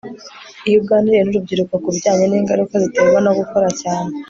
iyo uganiriye n urubyiruko ku bijyanye n ingaruka ziterwa no gukora cyane